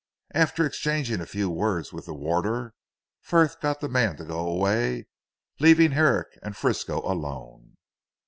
After exchanging a few words with the warder, Frith got the man to go away leaving Herrick and Frisco alone.